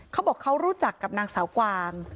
เขาบอกเขารู้จักกับนางสาวกวาง